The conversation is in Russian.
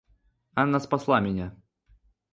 Анна спасла меня.